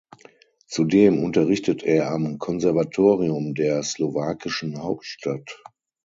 Zudem unterrichtet er am Konservatorium der slowakischen Hauptstadt.